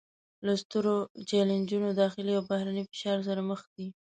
له سترو چلینجونو داخلي او بهرني فشار سره مخ دي